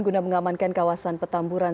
guna mengamankan kawasan petamburan